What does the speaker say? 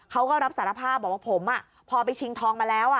เขาก็รับสารภาพบอกว่าผมพอไปชิงทองมาแล้ว